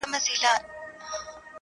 په خپل ژوند یې دومره شته نه وه لیدلي -